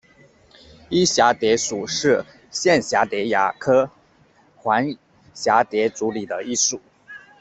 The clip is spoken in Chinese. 漪蛱蝶属是线蛱蝶亚科环蛱蝶族里的一属。